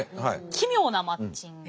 奇妙なマッチング。